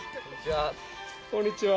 こんにちは。